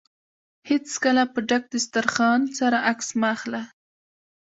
هېڅکله په ډک دوسترخان سره عکس مه اخله.